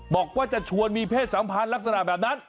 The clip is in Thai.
บอกว่าจะชวนมีเพศสัมพันธ์ลักษณะแบบนั้น